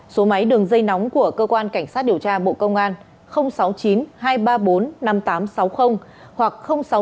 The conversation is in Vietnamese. số máy đường dây nóng của cơ quan cảnh sát điều tra bộ công an sáu mươi chín hai trăm ba mươi bốn năm nghìn tám trăm sáu mươi hoặc sáu mươi chín hai trăm ba mươi hai một nghìn sáu trăm sáu mươi